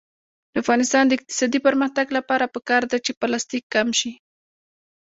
د افغانستان د اقتصادي پرمختګ لپاره پکار ده چې پلاستیک کم شي.